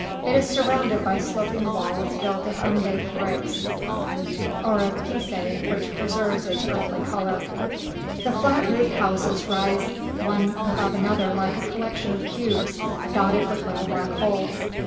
It is surrounded by sloping walls built of unbaked bricks or of pisé which preserves its earthy colour. The flat roofed houses rise one above another like a collection of cubes dotted with little black holes.